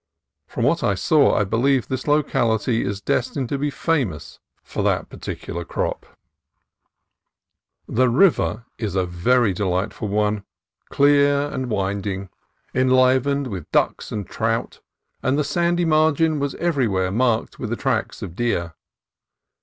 From what I saw, I believe this locality is destined to be famous for that par ticular crop. The river is a very delightful one, clear and wind YEWS 289 ing, enlivened with ducks and trout, and the sandy margin was everywhere marked with the tracks of deer.